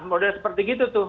mulai seperti gitu tuh